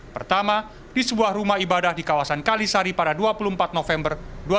pertama di sebuah rumah ibadah di kawasan kalisari pada dua puluh empat november dua ribu dua puluh